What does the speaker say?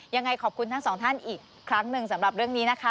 ยังไงขอบคุณทั้งสองท่านอีกครั้งหนึ่งสำหรับเรื่องนี้นะคะ